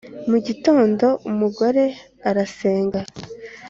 mu gitondo umugore arasenga